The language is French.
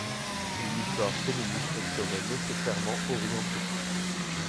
Une histoire féministe serait nécessairement orientée.